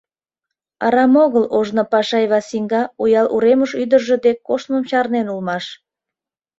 — Арам огыл ожно Пашай Васинга Уял уремыш ӱдыржӧ дек коштмым чарнен улмаш.